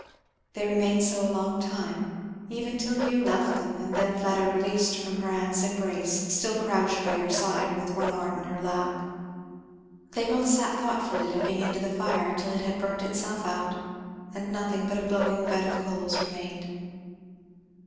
They remained so a long time, even till Hugh left them; and then Fleda released from her aunt's embrace still crouched by her side with one arm in her lap. They both sat thoughtfully looking into the fire till it had burnt itself out and nothing but a glowing bed of coals remained.